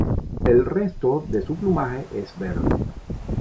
El resto de su plumaje es verde.